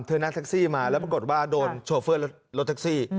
นั่งแท็กซี่มาแล้วปรากฏว่าโดนโชเฟอร์รถแท็กซี่